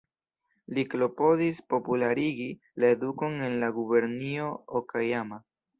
Li klopodis popularigi la edukon en la gubernio Okajama.